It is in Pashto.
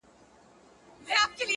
زارۍ،